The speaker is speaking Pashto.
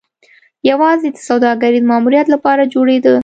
یوازې د سوداګریز ماموریت لپاره جوړېده.